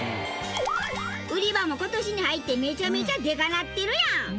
売り場も今年に入ってめちゃめちゃでかなってるやん！